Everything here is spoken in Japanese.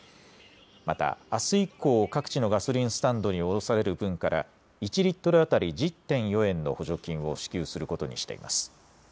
またあす以降、各地のガソリンスタンドに卸される分から、１リットル当たり１０．４円の補助金を支給することにしています。